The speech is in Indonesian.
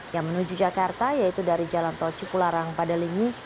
yang menuju jakarta yaitu dari jalan tol cikularang pada lingi